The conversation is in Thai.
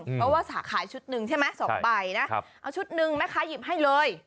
เพราะว่าสาขายชุดหนึ่งใช่ไหม๒ใบนะเอาชุดหนึ่งแม่ค้าหยิบให้เลย